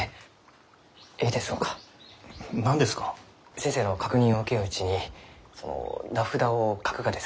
先生の確認を受けんうちにその名札を書くがですか？